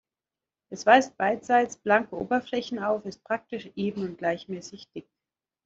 Es weist beidseits blanke Oberflächen auf, ist praktisch eben und gleichmäßig dick.